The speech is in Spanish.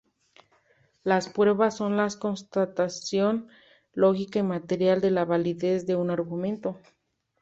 Las pruebas son la constatación lógica y material de la validez de un argumento.